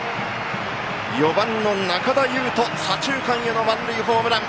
４番の仲田侑仁左中間への満塁ホームラン！